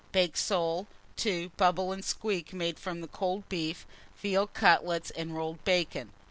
Baked soles. 2. Bubble and squeak, made from cold beef; veal cutlets and rolled bacon.